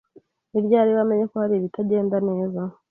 Ni ryari wamenye ko hari ibitagenda neza?